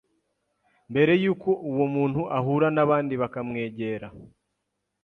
mbere y’uko uwo muntu ahura n’abandi bantu bakamwegera.